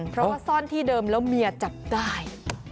เพราะว่าซ่อนที่เดิมแล้วเมียจับได้